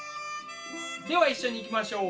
では一緒にいきましょう。